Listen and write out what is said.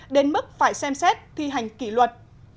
đến mức phải xem xét thi hành kỷ luật